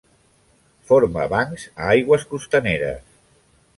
Forma bancs a aigües costaneres.